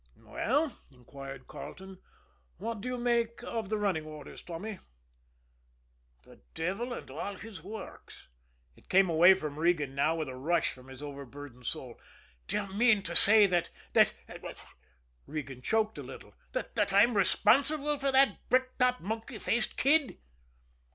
"Well," inquired Carleton, "what do you make of the running orders, Tommy?" "The devil and all his works!" it came away from Regan now with a rush from his overburdened soul. "D'ye mean to say that that" Regan choked a little "that I'm responsible for that brick topped, monkey faced kid?"